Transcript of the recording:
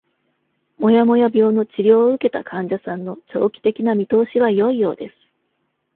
もやもや病の治療を受けた患者さんの長期的な見通しは良いようです。